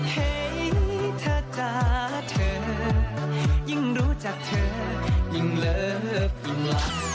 เห็นเธอจ๋าเธอยิ่งรู้จักเธอยิ่งเลิกยิ่งลา